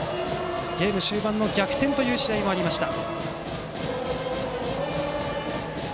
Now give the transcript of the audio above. ゲーム終盤での逆転という試合もありました。